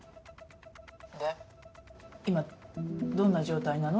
で今どんな状態なの？